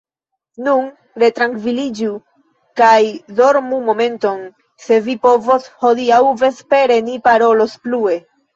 Nun retrankviliĝu kaj dormu momenton, se vi povos, hodiaŭ vespere ni parolos plue.